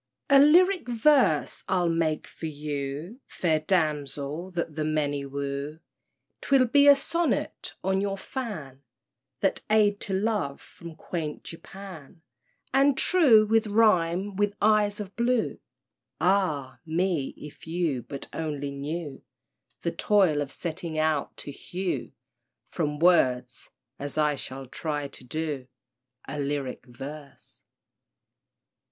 _ A lyric verse I'll make for you, Fair damsel that the many woo, 'Twill be a sonnet on your fan— That aid to love from quaint Japan— And "true" will rhyme with "eyes of blue." Ah! me, if you but only knew The toil of setting out to hew From words—as I shall try to do— A lyric verse.